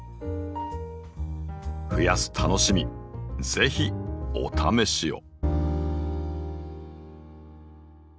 増やす楽しみ是非お試しを。